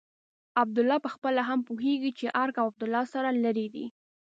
عبدالله پخپله هم پوهېږي چې ارګ او عبدالله سره لرې دي.